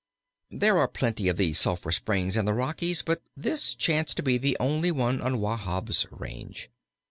"] There are plenty of these sulphur springs in the Rockies, but this chanced to be the only one on Wahb's range.